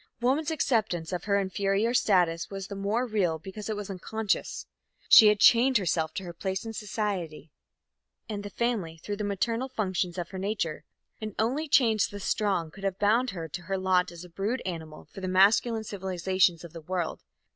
Woman's acceptance of her inferior status was the more real because it was unconscious. She had chained herself to her place in society and the family through the maternal functions of her nature, and only chains thus strong could have bound her to her lot as a brood animal for the masculine civilizations of the world.